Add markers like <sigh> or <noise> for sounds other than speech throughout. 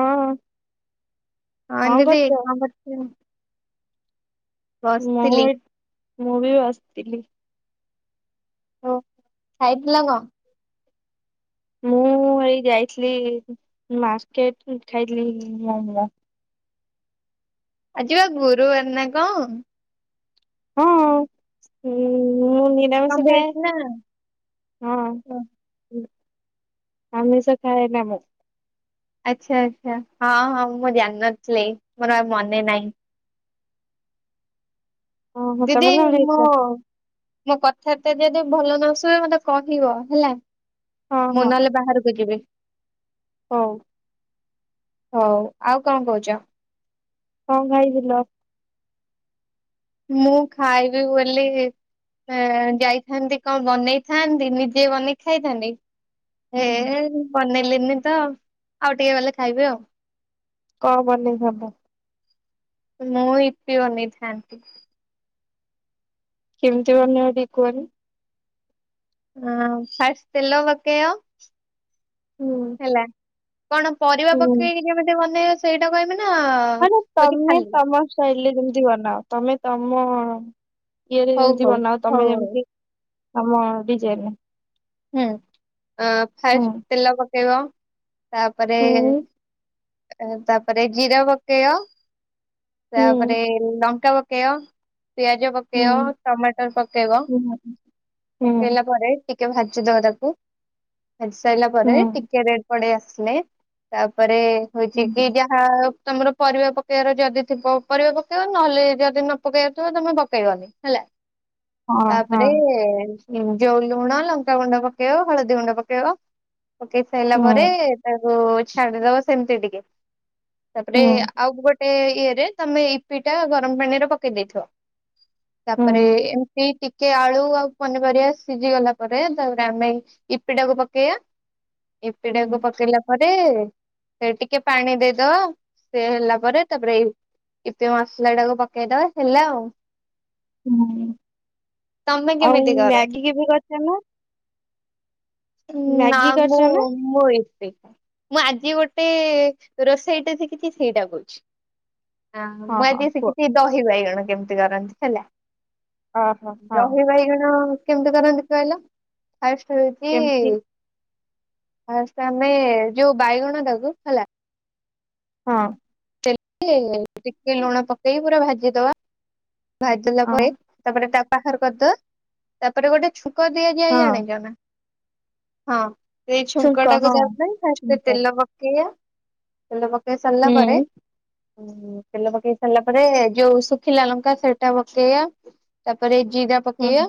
ହଁ ହଁ। ହଁ କଣ ଦିଦି କରୁଛ? କଣ କରଚୁ? ମୁଁ ବସଥିଲି। ଏ ମୁଁ ବି ବସଥିଲି। ଓ ଖାଇଥିଲ କଣ? ମୁଁ ଏଇ ଯାଇଥିଲି ମର୍କେଟ ଖାଇଥିଲି ମୋମୋ। ଆଜି ବା ଗୁରୁବାର ନା କଣ? ହଁ ହୁଁ। ମୁଁ କଣ ନିରାମିଷ ଭେଜ୍ ଖାଏ। ନା ହଁ। ଓ ଆମିଷ ଖାଏ। <unintelligible> ଆଚ୍ଛା ଆଚ୍ଛା ହଁ ହଁ ମୁଁ ଜାଣିନଥିଲି ମୋର ଆଉ ମନେ ନାହିଁ। ଓହୋ ଦିଦି ତମେ କଣ ମୋ ଖାଇଥିଲ? ମୋ କ କଥା ବାର୍ତ୍ତା ଯଦି ଭଲ ନସୁବ ମତେ କହିବ ହେଲା। ହଁ ହଁ ମୁଁ ନହେଲେ ବାହାରକୁ ଯିବି। ହଉ। ହଉ ଆଉ କଁ କୋହୁଚ? କଁ ଖାଇଥିଲ? ମୁଁ ଖାଇବି ବୋଲି ଏଁ ଯାଇଥାନ୍ତି କଣ ବନେଇଥାନ୍ତି, ନିଜେ ବନେଇ ଖାଇଥାନ୍ତି। ହେ ହୁଁ ବନେଇିଲି। ଉନିତ ଆଉ ଟିକେ ଗଲେ ଖାଇବି ଆଉ। କମ ସବ ମୁଁ ଇପୀ ବନେଇଥାଆନ୍ତି କେମିତି ବନେଇବ ଟିକେ କୁହନି? ହଁ ଫାଷ୍ଟ ତେଲ ପକେଇବ। ହୁଁ <inaudible> ହେଲା। କଣ ପରିବା ପକେଇକି ଯେମିତି ବନେଇ ସେଇଟା ପାଇଁ ମ ତମେ ତମ ଶୈଳୀରେ ଯେମିତି ବନାଅ ତମେ ତମ ଇଏରେ ହଉ ଯେମିତି ହଉ ବନାଅ ହଉ ତମେ ହଉ ଯେମିତି ଆମ ଡିଜାଇନ। ହୁଁ <inaudible> ତେଲ କେଗ। ତାପରେ <inaudible> ତାପରେ ଜିରା ପକେଇବ। ତାପରେ ଲଙ୍କା ପକେ କେ ପିଆଜ ପକେଇବ ଟମାଟର ପକେଇବ <inaudible> ପକେଇଲା ପରେ କେ ଭାଜି ଦବ ତାକୁ। ଭାଜି ସାରିଲା ପରେ ଟିକେ ରେଟ ପଡେଇ ଆସ। ଆସ ତାପରେ ରେ ହଉଛି କି ଯାହା ତମର ପରିବା ପକେଇବାର ଯଦି ଥିବ ପରିବା ପକେଇବ ନହେଲେ ଯଦି ନ ପକେଇବା ଥିବ ତମେ ପକେଇବନି ହେଲା। ତାପରେ ହଁ ଯୋଉ ଲୁଣ ଲଙ୍କା ଗୁଣ୍ଡ ପକେଇବ ହଳଦୀ ଗୁଣ୍ଡ ପକେଇବ। ପକେଇ ସାରିଲା ପରେ ତା ଓ ଛାଡିଦବ ସେମତି ଟିକେ ତାପରେ ଆଉ ଗୋଟେ ଗେ ଇଏରେ ତମେ ଇପି ଟା ଗରମ ପାଣିରେ ପକେଇ ଦେଇେଇଥିବ ତାପରେ ଏମିତି କି ଆଳୁ ଆଉ ପନିପରିବା ସିଝିଗଲା ପରେ ତାପରେ ଆମେ ଇପିଟାକୁ ପକେଇବା ଇପିଟାକୁ ପକେଇଲା ପରେ ସେ ଟିକେ ପାଣି ଦେଇଦବା ସେ ହେଲା ପରେ ତାପରେ ଇପି ମସଲା ଟାକୁ ପକେଇଦବା ହେଲେ ଆଉ। ହଁ ତମେ ଆଉ କେମିତି କର? ମ୍ୟାଗି କେବେ କେମ ନାଁ ମୁଁ କରିଛ ନା? ମୋଇ ମୁଁ ଆଜି ଗୋଟେ ରୋଷେଇଟା ଦେଖିଛି ସେଇଟା କରୁଛି। ହଁ ମୁଁ ଆଜି ସେ କିଛି ଦହିିବଇଗଣ। କେମିତି କରନ୍ତି ହେଲା ଅହ ହଁ ଦହି ବାଇଗଣ କେମିତି କରନ୍ତି କହିଲା ଆୟୁଷ୍ କେମତି? ଫାଷ୍ଟ ଆମେ ଯୋଉ ବାଇଗଣ ତାକୁ ହେଲା ହଁ। ଟିକେ ଲୁଣ ପକେଇି ପୁରା ଭାଜିଦବା। ଭାଜିଲା ହଁ ପରେ ତାପରେ ତା ବାହାର କରିଦବା ତାପରେ ଗୋଟେ ଛୁ ଙ୍କ ଦିଆ ଯାଇ ହଁ ଜାଣିଚନା? ହଁ। ସେଇ ଛୁଙ୍କ ଟାକୁ <unintelligible> ଫାଷ୍ଟ ଛୁଙ୍କ ତେଲ ପକେଇବା ତେଲ ପକେଇ ସାରିଲା ପରେ ହୁଁ ତେଲ ପକେଇ ସାରିଲା ପରେ ଯୋଉ ଶୁଖିଲା ଲଙ୍କା ସେଟା ପକେଇବା ତାପରେ ଜିରା ହୁଁ ପକେଇବା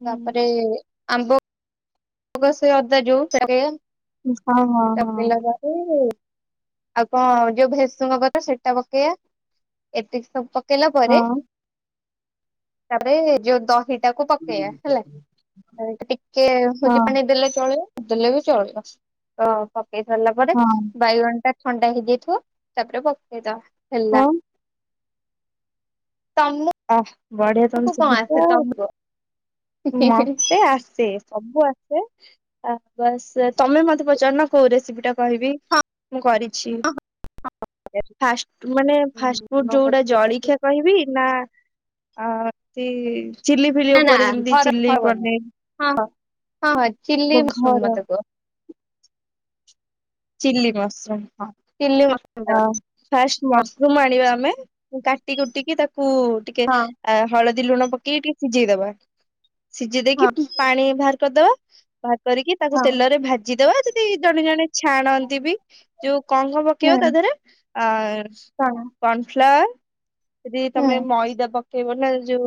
ହୁଁ ହଁ ତାପରେ ଆମ୍ୱ କସିଆ ଅଦା ଯଉ ହଁ ହଁ ହଁ। ଆଉ କଣ ଯୋଉ ଭେଷୁଙ୍କ ପତ୍ର ସେଇଟା ପକେଇବା ଏତିକି ସବୁ ପ ପକେଇଲା ହଁ ପରେ ତାରେ ଯୋଉ ଦହି ତାକୁ ପକେଇବା ହେଲା ଆଉ ଟିକେ ହଁ ହଁ ହଉ ପାଣି ଦେଲେ ଚଳିବ। ନଦେଲେ ଚଳ <unintelligible> ହେଇ ସରିଲା ପରେ ହଁ ବାଇଗଣ ଟା ଥଣ୍ଡା ହେଇଯାଇଥିବ ତାପରେ ପକେଇଦବା। ହେଲା। ତମକୁ ଆଠ୍ ବଢିଆ ତ କଣ ଶିଖିଛ ଆସେ ଆଉ ତମକୁ ମୋତେ ଆସେ ସବୁ ଆସେ ଆ ବାସ୍ ତମେ ମତେ ପଚାରୁ ନା କୋଉ ରେସିପି ଟା କହିବି? ହଁ ମୁଁ କରିଛି। ଫାଷ୍ଟ ମାନେ ଫାଷ୍ଟ ଫୁଡ ଯୋଉଗୁଡା ଜଳଖିଆ କହିବି? ନା ଆ ତିରୀ ନା ନା ଘର ଘର ନାହିଁ ହଁ ହଁ ହଁ ହଁ ମୋ ଚିଲି ମସରୁମ୍ ଘର ମୋତେ କୁହ। Chilli mushroom. ଚିଲି ମସରୁମ ଟା ଫାଷ୍ଟ ହଁ ମସରୁମ୍ ଆଣିବା ଆମେ କାଟି କୁଟିିକି ତାକୁ କୁ ଟିକେ ହଁ ହଳଦୀ ହଳଦୀ ଲୁଣ ପକେଇକି ଟିକେ ସିଝେଇ ଦବା। ସିଝେଇ ଦେଇକି ହଁ ପାଣି ବାହାର କରିଦବା। <inaudible> ବାହାର କରିକି ତାକୁ ହଁ ତେଲରେ ଭାଜିଦବା। ଜଣେ ଜଣେ ଛାଣନ୍ତି ବି ଯୋଉ କଣ କଣ ପକେଇବ ତା ହୁଁ ଦେହରେ ଆ କଣ କର୍ଣଫ୍ଲାୱାର ଯଦି ହୁଁ ତମେ ମଇଦା ପକେଇବ ନା ଜଉ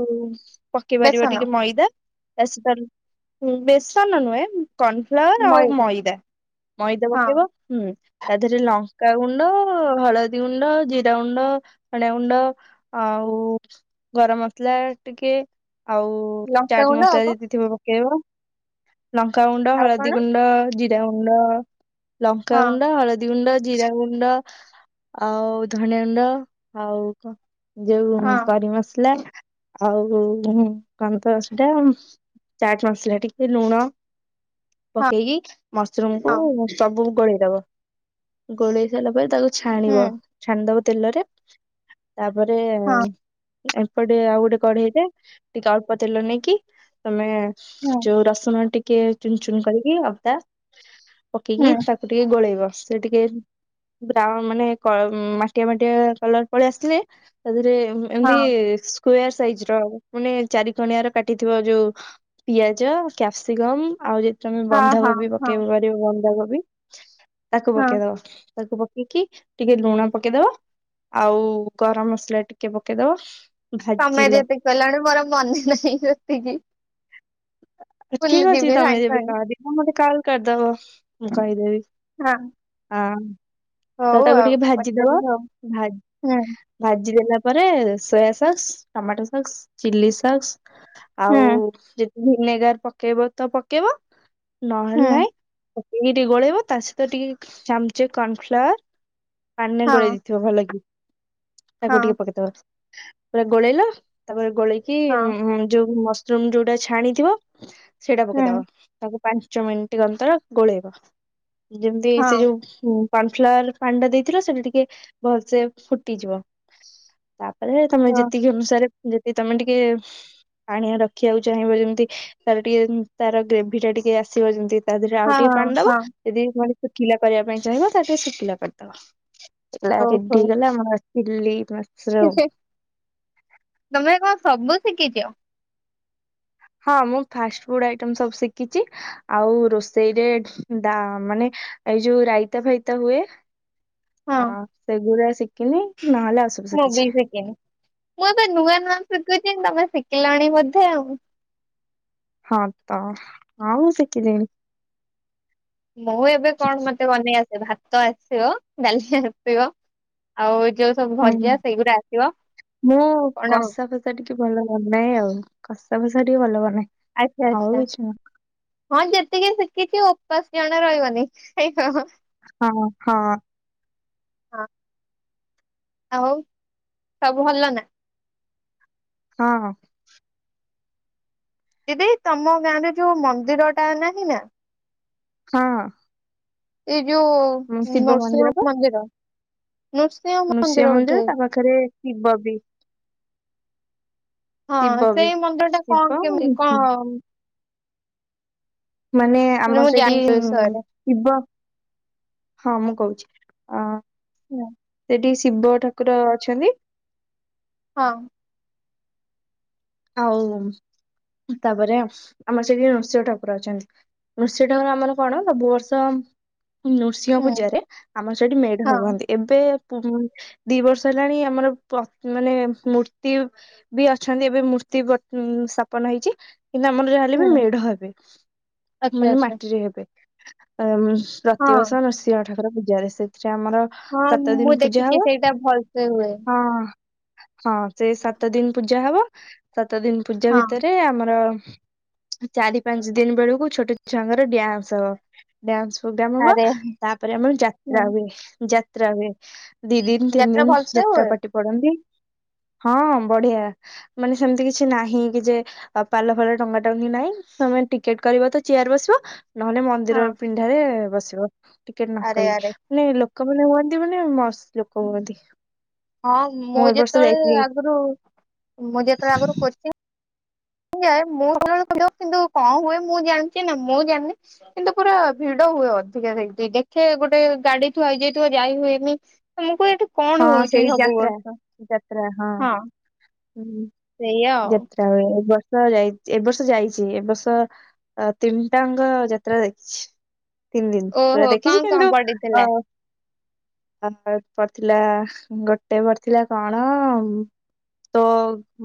ପକେଇ ପାରିବ ବେସନ ଟିକେ ମଇଦା ବେସନ ବେସନ ନୁହେଁ। କର୍ନଫ୍ଲାୱାର ଆଉ ମଇଦା ମଇଦା ହଁ ପକାଇ ଏବଂ ହୁଁ। ତା ଦେହରେ ଲଙ୍କାଗୁଣ୍ଡ, ହଳଦୀ ଗୁଣ୍ଡ ଜିରା ଗୁଣ୍ଡ, ଧଣିଆ ଗୁଣ୍ଡ, ଆଉ ଗରମ ମସଲା ଟିକେ ଆଉ ଚାଟ୍ ଲଙ୍କାଗୁଣ୍ଡ ଆଉ ମସଲା ଯଦି ଥିବ କେଇବ ଲଙ୍କାଗୁଣ୍ଡ, ହଳଦୀ କଣ ଗୁଣ୍ଡ, ଜି ଜିରା ଗୁଣ୍ଡ <unintelligible> ଲଙ୍କା ଆଉ ଗୁଣ୍ଡ ହଳଦୀ ଗୁଣ୍ଡ ଜିରା ଗୁଣ୍ଡ ଆଉ ଧନିଆ ଗୁଣ୍ଡ ଆଉ କଣ ଯଉ କଣ କରି ମସଲା। ଆଉ କଣ ତ ସେଟା ଚାଟ ମସଲା ଟିକେ ଲୁଣ ହଁ ପକେଇକି ମସରୁମ କୁ ଗୋଳେଇ ଦବ ଗୋଳେଇ ଦେଲା ପରେ ତାକୁ ହଁ ଛାଣିବ ହଁ ଛାଣିଦବ। ତେଲରେ। ତାପରେ ହଁ ହୁଁ ହଁ ଏପଟେ ଆଉ ଗୋଟେ କଡେଇଟେ ଟିକେ ଅଳ୍ପ ତେଲ ନେଇକି ତମେ ହୁଁ ଯୋଉ ରସୁଣ ଟିକେ କେ ଚୁନଚୁନ କରିକି ଅଦା ହୁଁ କି ତାକୁ ଟିକେ ଗୋଳେଇବ। ସେ ଟିକେ ବାଉ ମାନେ ମାଟିଆ ମାଟିଆ କଲର ପଳେଇ ଆସିଥିଲେ ତା ଦି ହଁ ଏମତି ସ୍ ସାଇଜ ର ମାନେ ଚାରିିକଣିଆର କାଟିଥଥିବା ଯୋଉ ପିଆଜ କ୍ୟାପସିକମ ଆଉ ତମେ ହଁ ହଁ ବନ୍ଧାକୋବି ହଁ ପକେଇ ପାରିବ। ବନ୍ଧାକୋବି ତାକୁ ହଁ ପକେଇ ଦବ। ତାକୁ ପକେଇକି ଟିକେ ଲୁଣ ପକେଇଦବା ଆଉ ଗରମ ମସଲା ଟିକେ ପକେଇଦବା। ତମେ ଯେତିକି କହିଲଣି ମୋର ମନେ ନାହିଁ ସେତିକି। ଭୁଲି ଠିକ ଅଛି ଯିବି ତମେ ସାଙ୍ଗେ ଯେବେ କାହାମତେ କା କରଦବ ମୁଁ କହିଦେବି। ହଁ। ହଁ। ତ ହଉ ତାକୁ ଆଉ ଟିକେ ଭାଜିଦବା ପଚାରିବି ଆଉ ଭା ହୁଁ ଭାଜି ଦେଲା ତା ପରେରେ soya sauce tomato sauce chilli sauce ହୁଁ ଆଉ ଭିନେଗାର ପକେଇବ ତ ପକେଇବ। ହୁଁ ନହେଲେ ନାଇ ଟ ଟିକେ ଗୋଳେଇବ ତା ସହିତ ଟିକେ ଚାମଚେ କର୍ଣଫ୍ଲାୱାର। ପାନେ ହଁ ଗୋଡେଇ ଦେଇଥିବ ଭଲଗି। ତାକୁ ହଁ ଟିକେ ପକେଇଦବା। ପୁରା ଗୋଳେଇଲ ତାପରେ ଗୋଳିକି ହଁ ଯୋଉ ଚୁନ ଯୋଉଟା ଛାଣିଥିବ। ସେଇଟା ହୁଁ ପକେଇଦବା ତାକୁ ପାଞ୍ଚ ମିନିଟ୍ ଅନ୍ତର ଗୋଳେଇବ। ଯେମିତି ହଁ ସେ ଯୋଉ ସନଫ୍ଲାୱାର ପାଣୀ ଟା ଦେଇଥିଲ ସେଟା ଟିକେ ଭଲସେ ଫୁଟିଯିବ। ତାପରେ ତମେ ହଁ ଯେତିକି ଅନୁସାରେ ଯେ ତମେ ଟିକେ ପାଣିଆ ରଖିବାକୁ ଚାହିଁବ ଯେମିତି ତାର ଟିକେ ତାର ଗ୍ରେଭି ଟା ଟିକେ ଆସିବ ଯେମିତି ତା ଦେହରେ ଆଉ ଟିକେ ହଁ ପାଣି ଦବ ହଁ ଯଦି ଶୁଖିଲା କରିବା ପାଇଁ ଚାହିଁବ ତାରେ ଶୁଖିଲା କ ତ। ଏ ରେଡିଗଲା ଆମ ଲି ଗମେ କଣ <unintelligible> ସବୁ ଶିଖିଛ। ହଁ ମୁଁ ଫାଷ୍ଟ ଫୁଡ ଆଇଟମ ସବୁ ଶିଖିଛି ଆଉ ରୋଷେଇରେ ଡା ମାନେ ଏଇ ଯୋଉ ରାଇତା ଫାଇତା ହୁଏ। ହଁ ହ ସେଗୁୁର ଶୀଖିନି ମୁଁ ବି ସିକିନି ମୁଁ ତ ନୂଆ ନୂଆ ଶିକୁଛୁ ତମେ ସିଖିଲନି ବୋଧେ ଆଉ। ହଁ ତ ଆଉ ସିକିଲିନି। ମୁଁ ଏବେ କଣ ମତେ ବନେଇ ଭାତ ଆସିବ ଡାଲି ଆସିବ ଆଉ ଯୋଉ ସବୁ ହୁଁ ଭଜା ସେଇଗୁଡା ଆସିବ ମୁଁ ଆଉ କଣ କଷା ଫସା ଟିକେ ଭଲ ଲାଗୁ ନିହିଁ ଆଉ। ତମ ସାର ଟିକ ଭଲବନାଏ। ଆଚ୍ଛା ଆଚ୍ଛା। ହଁ ଯେତିକି ଶିଖିଛି ଉପାଶ ଜଣ ରହିବନି। ହଁ ହଁ। ଆଉ ସବୁ ଭଲ ନା। ହଁ। ଦିଦି ତମ ଗାଁ ରେ ଯୋଉ ମନ୍ଦିର ଟା ନାହିଁ ନା। ହଁ। ହ <unintelligible> ଯଉ ମୁଁ ଶିବ ନୃସିଂହ ବା ମନ୍ଦିର। ନୃସିଂହ ନୃସିଂହ ବୋଧେ ମନ୍ଦିର ତା ପାଖରେ ଥିବ ବି ହଁ ଶିବ ବି ସେଇ ମନ୍ଦିର ଟା କଣ ଶିବ କେମିତି କଣ? ମାନେ ଆମର ମୁଁ ଜାଣିଛି ସେ ବିଷୟରେ ସେଠିଶିବ ହଁ ମୁଁ କହୁଛି ଅ ହୁଁ, ସେଠି ଶିବ ଠାକୁର ଅଛନ୍ତି। ହଁ, ଆଉ ତାପରେ ଆମର ସେଠି ନୃସିିଂହ ଠାକୁର ଅଛନ୍ତି ନୃସିିଂହ ଠାକୁର ଆମର କଣ ସବୁ ବର୍ଷ, ନୃସିଂହ ହୁଁ ପୂଜାରେ ଆମର ସେଠି ମେଢ ହଁ ହୁଅନ୍ତି ଏବେ ଦି ବର୍ଷ ହେଲାଣି ଆମର ମାନେ ମୂର୍ତ୍ତି ବି ଅଛନ୍ତି ଏବେ ମୂର୍ତ୍ତି ମୂର୍ତ୍ତି ସ୍ଥାପନ ହେଇଛି କିନ୍ତୁ ଆମର ଯାହା ହେଲେ ବି ହୁଁ ମେଢ ହେବେ ଆଚ୍ଛା ମାନେ ଆଚ୍ଛା ମାଟିରେ ହେବେ। ଆରବରସ ହଁ ପ୍ରତିବର୍ଷ ନୃସିଂହ ଠାକୁର ଏଥର ପୂଜା ରେ ସେ ସେ ଆମର ହଁ ସାତ ମୁଁ ଦିନ ପୂଜା ଦେଖିଛି ହବ ସେଇଟା ଭଲସେ ହୁଏ ହଁ, ହଁ ସେ ସାତ ଦିନ ପୂଜା ହବ। ସାତ ଦିନ ପୂଜା ହଁ ଭିତରେ ଆମର ଚାରି ପାଞ୍ଚ ଦିନ ବେଳକୁ ଛୋଟ ଛୁଆଙ୍କର ଡ୍ୟାନ୍ସ ହବ ଡ୍ୟାନ୍ସ ପୋଗ୍ରାମ ହବ ଆରେ ତାପରେ ଆମର ଯାତ୍ରା ହୁଁ ହୁଏ ଯା ଯାତ୍ରା ହୁଏ। ଦି ଦିନ ତିନି ଯାତ୍ରା ଦିନ ଭଲସେ ଯାତ୍ରା ହୁଏ ପାଟି ପଡନ୍ତି। ହଁ ବଢିଆ ମାନେ ସେମିତି କିଛି ନାହିଁ କି ଯେ ପାଲ ଫାଲ ଟଙ୍ଗା ଟଙ୍ଗି ନାହିଁ ତମେ ଟିକେଟ କରିବ ତ ଚେୟାର ବସିବ। ନହେଲେ ହଁ ମନ୍ଦିର ପିଣ୍ଡା ରେ ବସିବ। ବସିବ। ଟିକେଟ ନ ଆରେ ଆରେ କରିକି ମାନେଲୋକ ଲୋକମାନେ ହୁଅନ୍ତି ମାନେ ମସ୍ତ ଲୋକ ହୁଅନ୍ତି ହଁ ମୁଁ ଏ ବର୍ଷ ଯେତେବେଳେ ଯାଇଥିଲି ଆଗରୁ ମୁଁ ଯେ, ତ ଆଗରୁ କରିଛେ। ଯାଏ ମୁଁ ଗଲା ବେଳେ ଭିଡ କିନ୍ତୁ କଣ ହୁଏ ମୁଁ ଜାଣିଛି ନା ମୁଁ ଜାଣିନି କିନ୍ତୁ ପୁରା ଭିଡ ହୁଏ ଅଧିକା ସେଇି ଦେଖେ ଗୋଟେ ଗାଡି ଥୁଆ ହେଇଯାଇଥିବ ଯାଇ ହୁଏନି ମୁଁ କୁହେ ଏଠି କଣ ହଁ ହଉଛି ସେଇ ସବୁ ଯାତ୍ରା ବର୍ଷ ହଁ, ସେଇଆ ଆଉ ଯାତ୍ରାବେଳେ ତ ଯାଇ ଏ ବର୍ଷ ଯାଇଚି ଏ ବର୍ଷ ଅ ତିନିଟା ଆଙ୍କ ଯାତ୍ରା ଦେଖିଚି। ତିନି ଦିନ ପୁରା ଓହୋ ଦେଖିଚି କଣ କଣ କିନ୍ତୁ ଅ ପଡିଥିଲା ଅ ଥିଲା ଗୋଟେ ପଡ଼ିଥିଲା କଣ ତୋ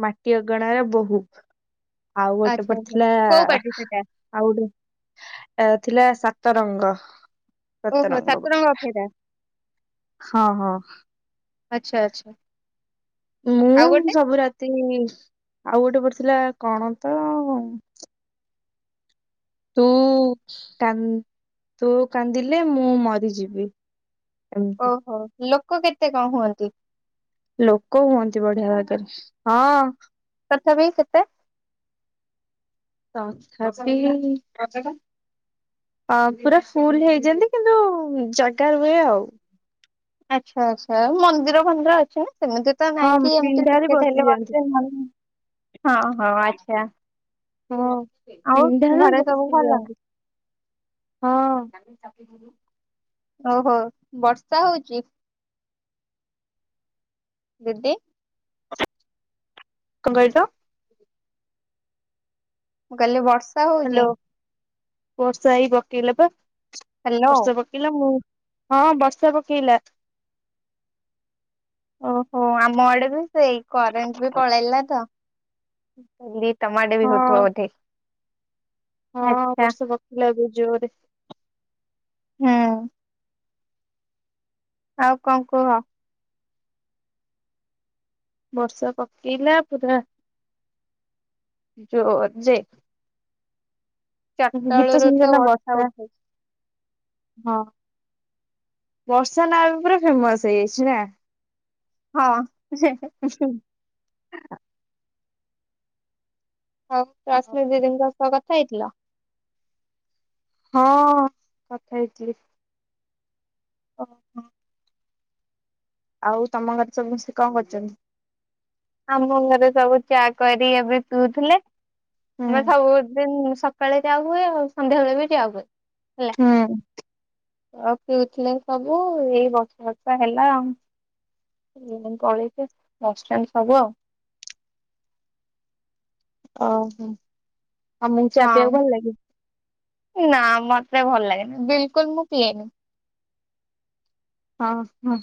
ମାଟି ଅଗଣାର ବୋହୂ। ଆଉ ଗୋଟେ ଆଚ୍ଛା ଆଚ୍ଛା ପଡ଼ିଥିଲା କୋଉ ପାଟି ସେଟା ଆଉ ଗୋଟେ ଏ ଥିଲା ସାତ ରଙ୍ଗ। ସାତ ଓହୋ ରଙ୍ଗ ବୋଧେ ସାତରଙ୍ଗ ଥିଲା ଅପେରା ହଁ ହଁ। ଆଚ୍ଛା ଆଚ୍ଛା। ମୁଁ ଆଉ ଗୋଟେ ସବୁ ରାତି ଆଉ ଗୋଟେ ପଡ଼ିଥିଲା କଣ ତ ତୁ ତୁ କାନ୍ଦିଲେ ମୁଁ ମରିଯିବି। ଏମିତି ଓହୋ। ଲୋ କ କେତେ କଁ ହୁଅନ୍ତି? ଲୋକ ହୁଅନ୍ତି ବଢ଼ିଆ ବାଗରେ ହଁ। ତଥାପି କେତେ? ତଥାପି ଅ ପୁରା ଫୁଲ ହେଇ ଯାଆନ୍ତି କିନ୍ତୁ ଜାଗା ରୁହେ ଆଉ। ଆଚ୍ଛା ଆଚ୍ଛା। ମନ୍ଦିର ଫନ୍ଦିର ଅଛି ନାଁ? ସେମିତି ତ ହଁ ନାହିଁ କିି ଏମତି ପିଣ୍ଡାରେ ଟିକେଟ ହେଲେ ବସିଯାଆନ୍ତି। ବସିବେ ନହେଲେ ନାହିଁ। ହଁ ହଁ ଆଚ୍ଛା। ହଁ ଆଉ ପିଣ୍ଢାରେ ଘରେ ସବୁ ବସି ଭଲ ଯାଆନ୍ତି। ହଁ। ଓହୋ ବର୍ଷା ହୋଉଚି। ଦିଦି କଁ କଇଲ? ମୁଁ କଇଲି ବର୍ ଷା ହୋଉଚି। ହ୍ୟାଲୋ। ବର୍ଷା ଏଇ ପକେଇଲା ପା। ହ୍ୟାଲୋ ବର୍ଷା ପକେଇଲା ମୁଁ ହଁ ବର୍ଷା ପକେଇଲା। ଓହୋ ଆମ ଆଡ଼େ ବି ସେଇ କରେଣ୍ଟ ବି ପଳେଇଲା ତ। <unintelligible> ତମ ଆଡ଼େ ବି ହୋଉଥୁବ ହଁ ବୋଧେ। ହଁ ଆଚ୍ଛା। ବର୍ଷା ପକେଇଲା ଏବେ ଜୋରେ। ହୁଁ। ଆଉ କଁ କୁହ। ବର୍ଷା ପକେଇଲା ପୁରା ଜୋ ଯେ ଚାରଟା ଗୀତ ଓଳୁରୁ ଶୁଣିଛ ତ ନା ବର୍ଷା ଉଠେଇ ହଁ ବର୍ଷା ନାଁ ଏବେ ପୁରା ଫେମସ୍ ହେଇଯାଇଚି ନାଁ। ହଁ। ଉଁ ହୁଁ। <inaudible> ହଁ ତ ଆଉ ଆସମୀ ଦିଦ- <unintelligible> ତ କଥା ହେଇଥିଲ ହଁ କଥା ହେଇଥିଲି। ଓହୋ। ଆଉ ତମ ଘରେ ସବୁ ସମସ୍ତେ କଣ କରୁଛନ୍ତି। ଆମ ଘରେ ସବୁ ଚା କରି ଏବେ ପିଉଥିଲେ। ହୁଁ ମ <inaudible> ସବୁଦିନ ସକାଳେ ଚା ହୁଏ ଆଉ ସଧ୍ୟାବେଳେ ବି ଚା ହୁଏ। ହେଲା ହୁଁ। ପିଉଥିଲେ। ସବୁ ଏଇ ବର୍ଷ ଟା ହେଲା ଆ ପଳେଇବେ ବ ହବ ଅ ହୋ। ହଁ ନା ମ ଭଲ ଲାଗେନି ବିଲକୁଲ ମୁଁ ପିଏନି। ହଁ ହଁ।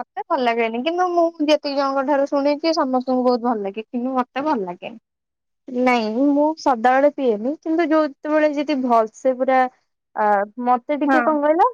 ମତେ ଭଲ ଲାଗେନି କିନ୍ତୁ ମୁଁ ଯେତିକି ଜଣଙ୍କ ଠାରୁ ଶୁଣିଛି ସମସ୍ତଙ୍କୁ ବହୁତ ଭଲ ଲାଗେ କିନ୍ତୁ ମତେ ଭଲ ଲାଗେନି। ନାଇଁ ମୁଁ ସଦାବେଳେ ପିଏନି କିନ୍ତୁ ଯୋଉତେବେଳେ ଯଦି ଭଲସେ ପୁରା ଅ ମତେ ହଁ। ଟିକେ କଣ କହିଲ